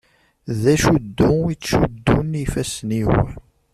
D acuddu i ttcuddun yifassen-iw.